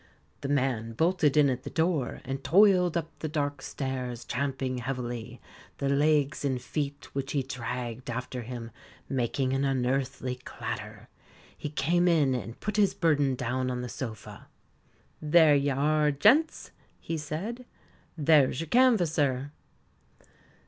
The man bolted in at the door, and toiled up the dark stairs tramping heavily, the legs and feet, which he dragged after him, making an unearthly clatter. He came in and put his burden down on the sofa. "There you are, gents," he said; "there's your canvasser."